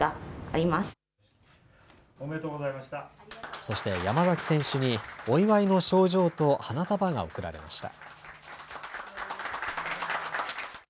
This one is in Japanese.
そして山崎選手にお祝いの賞状と花束が贈られました。